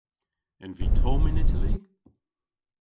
En vy tomm yn Itali?